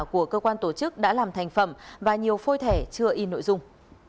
của cơ quan tổ chức đã làm thành phẩm và nhiều phôi thẻ chưa in nội dung